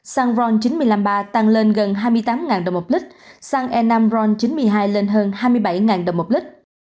xăng ron chín trăm năm mươi ba tăng lên gần hai mươi tám đồng một lít xăng e năm ron chín mươi hai lên hơn hai mươi bảy đồng một lít